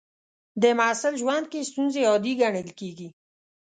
د محصل ژوند کې ستونزې عادي ګڼل کېږي.